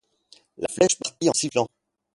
La flèche partit en sifflant.